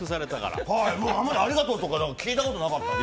今までありがとうとか聞いたことなかったんで。